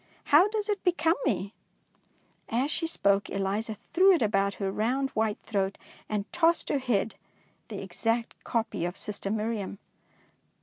How does it become me ?" As she spoke, Eliza threw it about her round white throat, and tossed her head, the exact copy of sister Miriam.